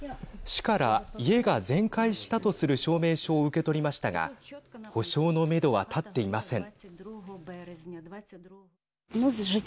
市から家が全壊したとする証明書を受け取りましたが補償のめどは立っていません。